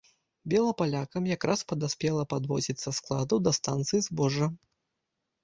Белапалякам якраз падаспела падвозіць са складаў да станцыі збожжа.